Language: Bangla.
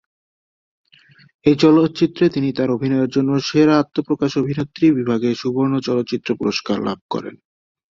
এই চলচ্চিত্রে তিনি তাঁর অভিনয়ের জন্য "সেরা আত্মপ্রকাশ অভিনেত্রী" বিভাগে সুবর্ণ চলচ্চিত্র পুরস্কার লাভ করেন।